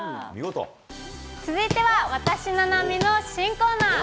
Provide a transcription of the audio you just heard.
続いては私、菜波の新コーナー。